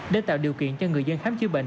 để tạo điều kiện cho người dân khám chữa bệnh